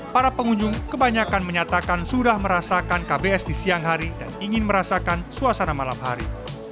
para pengunjung kebanyakan menyatakan sudah merasakan kbs di siang hari dan ingin merasakan suasana malam hari